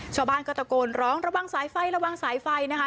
ชาวบ้านก็ตะโกนร้องระวังสายไฟระวังสายไฟนะคะ